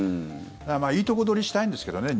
いいとこ取りしたいんですけどね